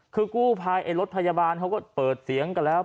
คือกู้ภัยไอ้รถพยาบาลเขาก็เปิดเสียงกันแล้ว